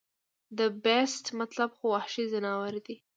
د The Beast مطلب خو وحشي ځناور دے